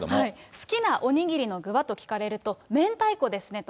好きなお握りの具は？と聞かれると、明太子ですねと。